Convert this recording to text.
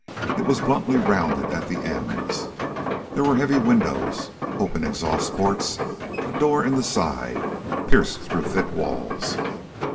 It was bluntly rounded at the ends. There were heavy windows, open exhaust ports, a door in the side, pierced through thick walls.